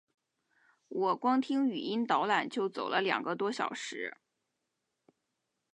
我光听语音导览就走了两个多小时